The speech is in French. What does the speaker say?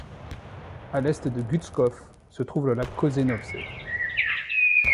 À l'est de Gützkow se trouve le lac Kosenowsee.